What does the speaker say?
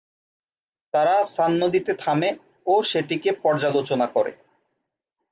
তারা সান নদীতে থামে ও সেটিকে পর্যালোচনা করে।